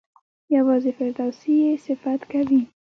یوازې فردوسي یې صفت کوي.